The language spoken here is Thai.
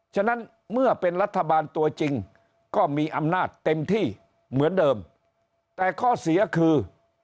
ฉะนั้นเมื่อเป็นรัฐบาลตัวจริงก็มีอำนาจเต็มที่เหมือนเดิมแต่ข้อเสียคือ